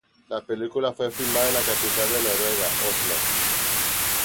La película fue filmada en la capital de Noruega, Oslo.